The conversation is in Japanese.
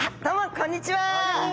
こんにちは。